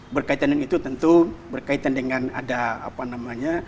berkaitan dengan itu tentu berkaitan dengan ada apa namanya